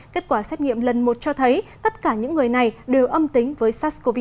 kết quả xét nghiệm lần một cho thấy tất cả những người này đều âm tính với sars cov hai